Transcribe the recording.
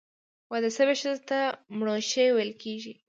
واده سوي ښځي ته، مړوښې ویل کیږي.